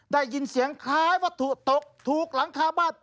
ได้ยินเสียงคล้ายวัตถุตกถูกหลังคาบ้าน